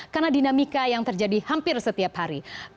karena dinamika yang terjadi hampir setiap hari